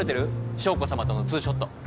将子さまとのツーショット。